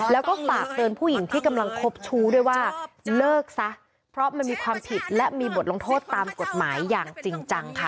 แล้วก็ฝากเตือนผู้หญิงที่กำลังคบชู้ด้วยว่าเลิกซะเพราะมันมีความผิดและมีบทลงโทษตามกฎหมายอย่างจริงจังค่ะ